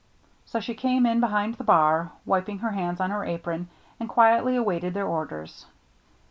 So she came in behind the bar, wiping her hands on her apron, and quietly awaited their orders.